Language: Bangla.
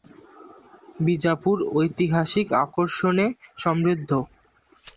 বিজাপুর ঐতিহাসিক আকর্ষণে সমৃদ্ধ।